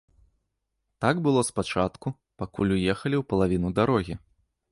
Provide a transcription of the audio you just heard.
Так было спачатку, пакуль уехалі ў палавіну дарогі.